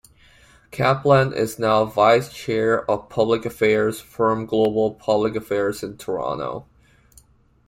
Caplan is now Vice-Chair of public affairs firm Global Public Affairs in Toronto.